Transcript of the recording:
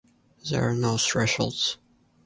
There are no thresholds.